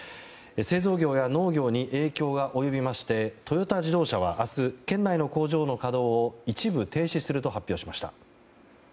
製造業や農業に影響が及びましてトヨタ自動車は明日県内の工場の稼働を一部停止すると発表しました。